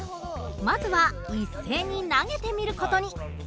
まずは一斉に投げてみる事に。